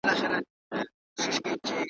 فیصله د خلقت وکړه د انسان `